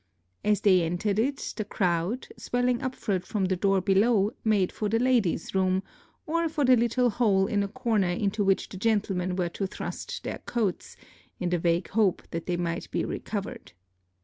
As they entered it the crowd, swelling upward from the door below, made for the ladies' room, or for the little hole in a corner into which the gentlemen were to thrust their coats, in the vague hope that they might be recovered.